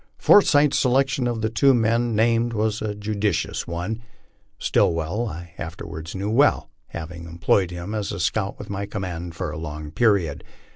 Forsyth's selection of the two men named was a judicious one. Stillwell I afterwards knew well, having employed him as scout with my command for a long period.